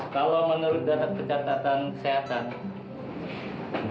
kalau menurut data pencatatan kesehatan